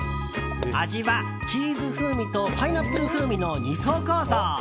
味はチーズ風味とパイナップル風味の２層構造。